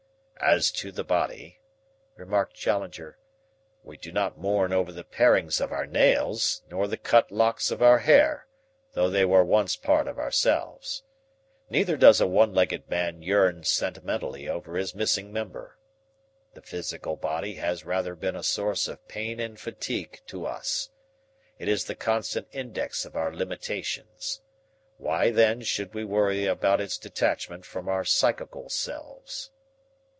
"As to the body," remarked Challenger, "we do not mourn over the parings of our nails nor the cut locks of our hair, though they were once part of ourselves. Neither does a one legged man yearn sentimentally over his missing member. The physical body has rather been a source of pain and fatigue to us. It is the constant index of our limitations. Why then should we worry about its detachment from our psychical selves?"